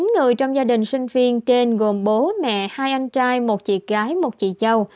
chín người trong gia đình sinh viên trên gồm bố mẹ hai anh trai một chị gái một chị châu